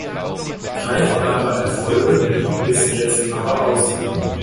Greifbare Erfolge blieben bis jetzt aber aus.